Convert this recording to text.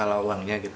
kalau uangnya gitu